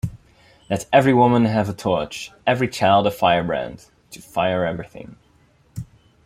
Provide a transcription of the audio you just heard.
"Let every woman have a torch, every child a firebrand" to fire everything.